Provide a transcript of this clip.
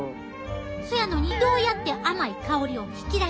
せやのにどうやって甘い香りを引き出したんか。